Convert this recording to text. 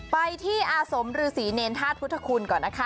ไปที่อาสมหรือศรีเนรทาสพุทธคุณก่อนนะคะ